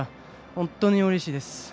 本当にうれしいです。